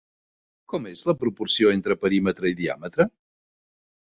Com és la proporció entre perímetre i diàmetre?